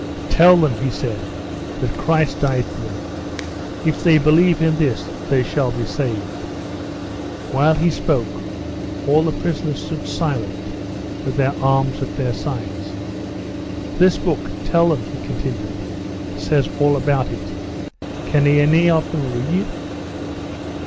"Tell them," he said, "that Christ died for them. If they believe in this they shall be saved." While he spoke, all the prisoners stood silent with their arms at their sides. "This book, tell them," he continued, "says all about it. Can any of them read?"